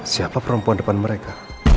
siapa perempuan depan mereka